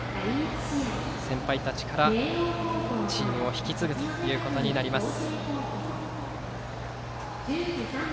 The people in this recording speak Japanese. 先輩たちからチームを引き継ぐことになります。